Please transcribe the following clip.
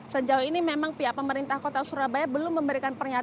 sejauh ini memang pihak pemerintah kota surabaya belum memberikan pernyataan